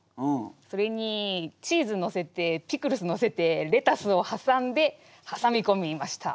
それにチーズのせてピクルスのせてレタスをはさんではさみこみました。